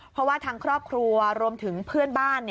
เพราะว่าทางครอบครัวรวมถึงเพื่อนบ้าน